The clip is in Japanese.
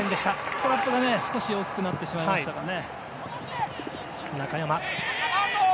トラップが少し大きくなってしまいましたね。